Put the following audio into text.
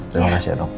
terima kasih anong